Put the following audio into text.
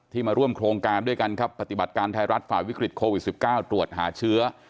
มาร่วมโครงการด้วยกันครับปฏิบัติการไทยรัฐฝ่ายวิกฤตโควิด๑๙ตรวจหาเชื้อ